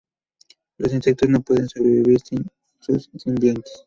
Los insectos no pueden sobrevivir sin sus simbiontes.